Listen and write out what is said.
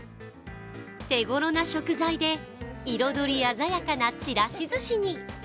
手頃な食材で、彩り鮮やかな、ちらし寿司に。